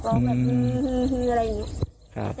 ร้องแบบฮือฮือฮืออะไรอย่างนี้